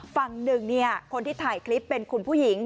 ฝั่งหนึ่งคนที่ถ่ายคลิปเป็นคุณผู้หญิง